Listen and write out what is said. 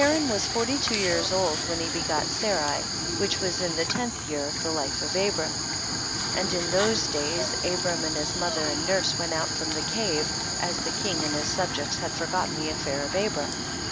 4. Haran was forty two years old when he begat Sarai, which was in the tenth year of the life of Abram ; and in those days Abram and his mother and nurse went out from the cave, as the king and his subjects had forgotten the affair of Abram.